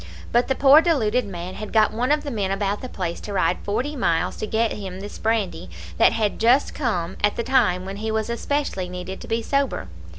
But the poor deluded man had got one of the men about the place to ride forty miles to get him this brandy that had just come at the time when he was especially needed to be sober.